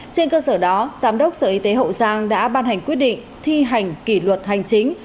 trên cơ sở đó giám đốc sở y tế hậu giang đã ban hành quyết định thi hành kỷ luật hành chính